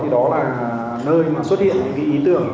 đó là nơi mà xuất hiện những ý tưởng